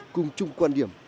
cùng chung quan điểm